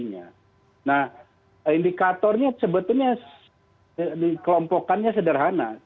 nah indikatornya sebetulnya kelompokannya sederhana